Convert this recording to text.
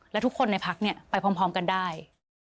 และทุกคนในพักไปพร้อมกันได้